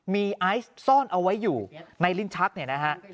มีไอซ์ซ่อนเอาไว้อยู่ในลิ้นชักเนี่ยนะฮะ